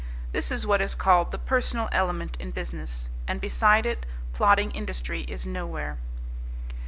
This is what is called the personal element in business. And, beside it, plodding industry is nowhere.